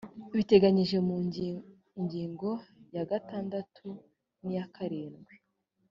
biteganyijwe mu ngingo ya gatandatu n iya karindwi